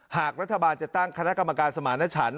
หากรัฐบาลจะตั้งคณะกรรมการสมาณฉัน